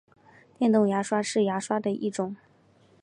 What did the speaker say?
电动牙刷是牙刷的一种。